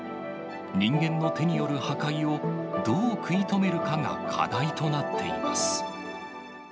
人間の手による破壊を、どう食い止めるかが課題となっています。